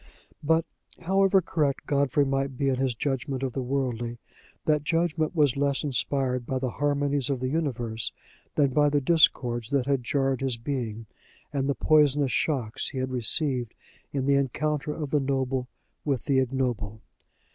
But, however correct Godfrey might be in his judgment of the worldly, that judgment was less inspired by the harmonies of the universe than by the discords that had jarred his being and the poisonous shocks he had received in the encounter of the noble with the ignoble.